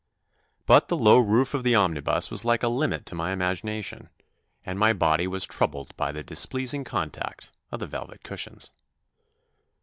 But the low roof of the omnibus was like a limit to my imagination, and my body was troubled by the displeasing contact of the velvet cushions.